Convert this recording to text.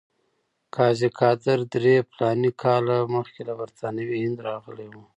قاضي قادر درې فلاني کاله مخکې له برټانوي هند راغلی وو.